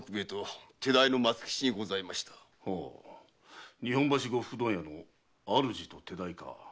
ほう日本橋呉服問屋の主と手代か。